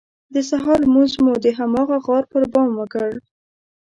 د سهار لمونځ مو د هماغه غار پر بام وکړ.